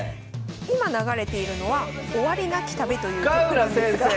今流れているのは「終わりなき旅」という曲なんですが。